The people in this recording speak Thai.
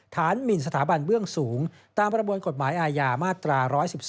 หมินสถาบันเบื้องสูงตามประมวลกฎหมายอาญามาตรา๑๑๒